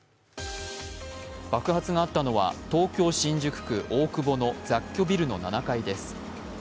爆発があったのは、東京・新宿区大久保の雑居ビルの７階です。